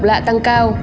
độc lạ tăng cao